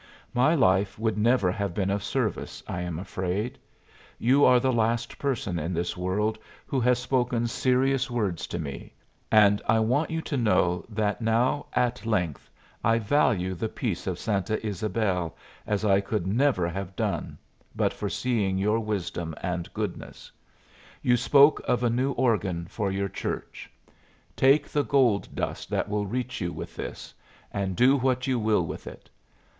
My life would never have been of service, I am afraid. You are the last person in this world who has spoken serious words to me, and I want you to know that now at length I value the peace of Santa Ysabel as I could never have done but for seeing your wisdom and goodness. You spoke of a new organ for your church. Take the gold dust that will reach you with this, and do what you will with it.